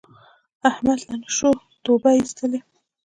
احمد له نشو توبه ایستله.